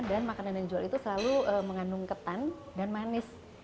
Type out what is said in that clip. dan makanan yang dijual itu selalu mengandung ketan dan manis